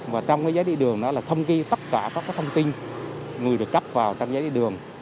và trong cái giấy đi đường đó là thông ghi tất cả các thông tin người được cấp vào trong giấy đi đường